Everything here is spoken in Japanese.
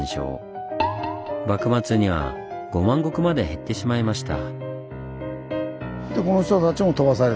幕末には５万石まで減ってしまいました。